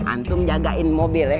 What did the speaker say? antum jagain mobil ya